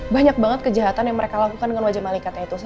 banyak banget kejahatan yang mereka lakukan dengan wajah malikatnya itu